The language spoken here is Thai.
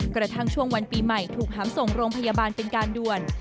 กระทั่งช่วงวันปีใหม่ถูกหามส่งโรงพยาบาลเป็นการด่วน